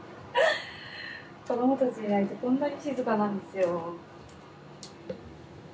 子どもたちいないとこんなに静かなんですよ。